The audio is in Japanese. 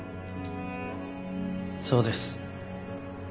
そうです。